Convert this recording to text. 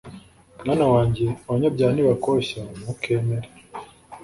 Mwana wanjye, abanyabyaha nibakoshya ntukemere